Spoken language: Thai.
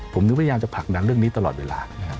ผมนึกว่ายังจะผลักดังเรื่องนี้ตลอดเวลา